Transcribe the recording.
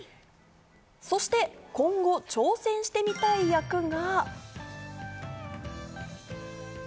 そして今後、挑戦してみたい役が。